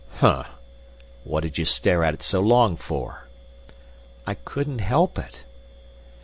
"Humph! What did you stare at it so long for?" "I couldn't help it."